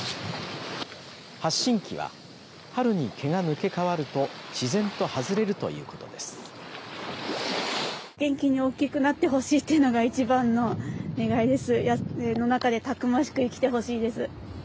発信器が春に毛が抜け替わると自然と外れるということです。